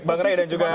bang ray dan juga